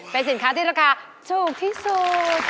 เป็นสินค้าที่ราคาถูกที่สุด